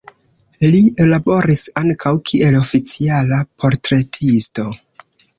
Li laboris ankaŭ kiel oficiala portretisto.